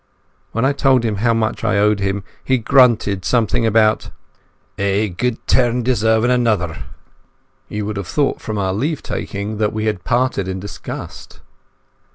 When I told him how much I owed him, he grunted something about "ae guid turn deservin' anitherv" You would have thought from our leave taking that we had parted in disgust.